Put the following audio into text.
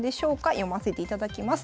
読ませていただきます。